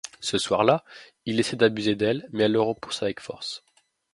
Ce soir-là, il essaie d'abuser d'elle, mais elle le repousse avec force.